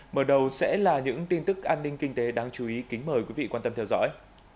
mở đầu sẽ là những tin tức an ninh kinh tế đáng chú ý kính mời quý vị quan tâm theo dõi